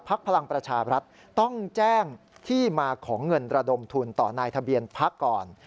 พลังประชาบรัฐต้องแจ้งที่มาของเงินระดมทุนต่อนายทะเบียนพักก่อน